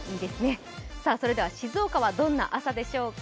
静岡はどんな朝でしょうか？